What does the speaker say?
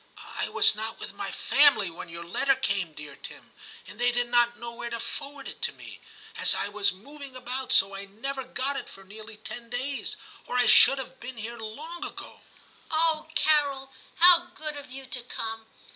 ' I was not with my family when your letter came, dear Tim, and they did not know where to forward it to me, as I was moving about ; so I never got it for nearly ten days, or I should have been here long ago.' ' Oh, Carol ! how good of you to come.